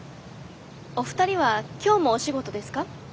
お二人は今日もお仕事ですか？